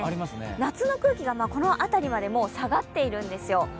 夏の空気がこの辺りまで下がっているんですよ。